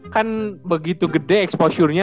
kan begitu gede exposurenya